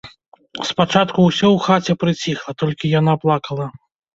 Спачатку ўсё ў хаце прыціхла, толькі яна плакала.